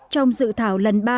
trong dự thảo lần ba